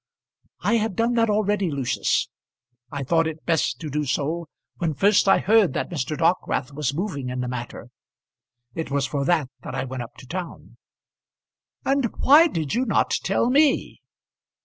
"I have done that already, Lucius. I thought it best to do so, when first I heard that Mr. Dockwrath was moving in the matter. It was for that that I went up to town." "And why did you not tell me?"